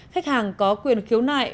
khách hàng có quyền khiếu nại